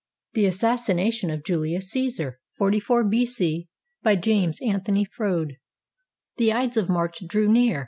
I THE ASSASSINATION OF JULIUS C^SAR [44 B.C.] BY JAMES ANTHONY FROUDE The Ides of March drew near.